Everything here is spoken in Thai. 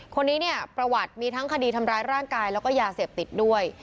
คนนี้เนี่ยประวัติมีทั้งคดีทำร้ายร่างกายแล้วก็ยาเสพติดด้วย